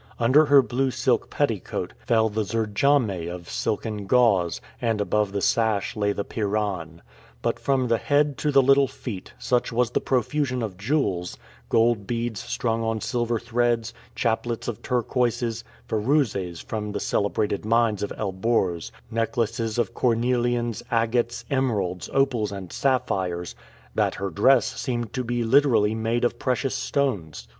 Under her blue silk petticoat, fell the "zirdjameh" of silken gauze, and above the sash lay the "pirahn." But from the head to the little feet, such was the profusion of jewels gold beads strung on silver threads, chaplets of turquoises, "firouzehs" from the celebrated mines of Elbourz, necklaces of cornelians, agates, emeralds, opals, and sapphires that her dress seemed to be literally made of precious stones.